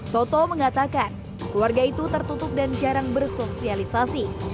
toto mengatakan keluarga itu tertutup dan jarang bersosialisasi